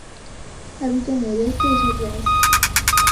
Habita en el este y sur de Asia.